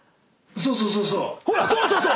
ほら「そうそうそう」！